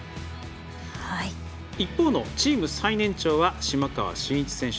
一方、チーム最年長は島川慎一選手。